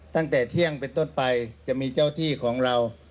ตั้งแต่เที่ยงเป็นต้นไปจะมีเจ้าที่ของเรา